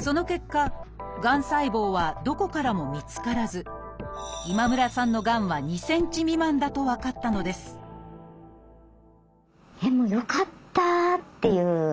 その結果がん細胞はどこからも見つからず今村さんのがんは２ｃｍ未満だと分かったのですよかった！っていう。